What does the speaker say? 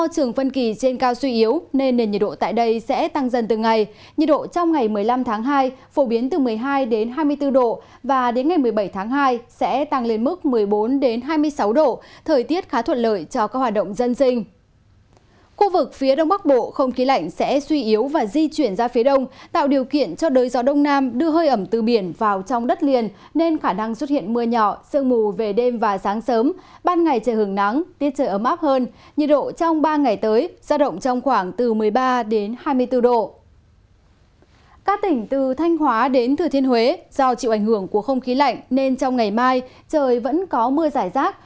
tại huyện huế do chịu ảnh hưởng của không khí lạnh nên trong ngày mai trời vẫn có mưa giải rác